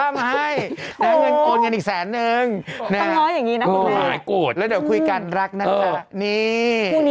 มันแล้วกันแล้วอ่ะ